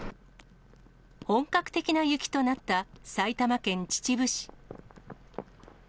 本格的な雪となった埼玉県秩父市。